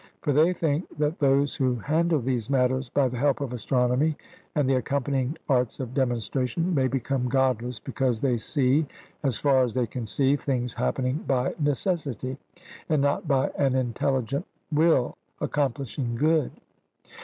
For they think that those who handle these matters by the help of astronomy, and the accompanying arts of demonstration, may become godless, because they see, as far as they can see, things happening by necessity, and not by an intelligent will accomplishing good.